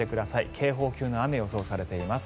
警報級の雨が予想されています。